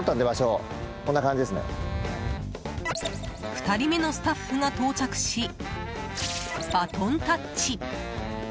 ２人目のスタッフが到着しバトンタッチ。